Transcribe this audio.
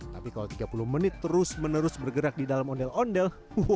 tapi kalau tiga puluh menit terus menerus bergerak di dalam ondel ondel